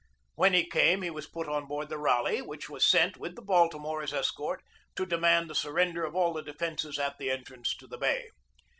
When he came he was put on board the Raleigh, which was sent, with the Baltimore as escort, to demand the surrender of all the defences at the entrance to the bay.